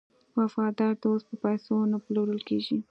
وفادار دوست په پیسو نه پلورل کیږي.